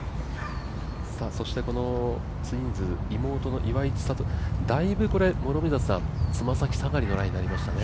そして、ツインズ妹の岩井千怜、だいぶ、爪先下がりのラインになりましたね。